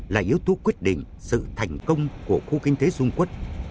là yếu tố quyết định sự thành công của khu kinh tế dung quốc